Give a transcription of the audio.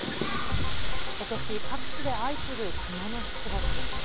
ことし各地で相次ぐ熊の出没。